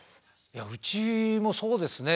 いやうちもそうですね。